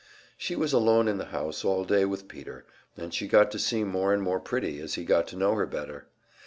She was alone in the house all day with Peter, and she got to seem more and more pretty as he got to know her better.